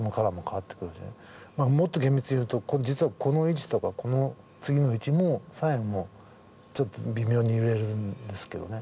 まあもっと厳密に言うと実はこの位置とかこの次の位置も最後もちょっと微妙に揺れるんですけどね。